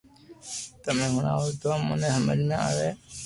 تمي ھڻاوہ تو امو ني ھمج ۾ آوي